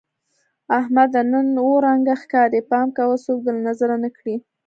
احمده! نن اووه رنگه ښکارې. پام کوه څوک دې له نظره نه کړي.